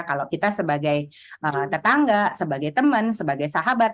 kalau kita sebagai tetangga sebagai teman sebagai sahabat